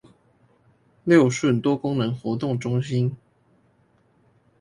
六順多功能活動中心